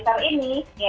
sebelum ini ya